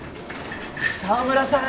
澤村さん！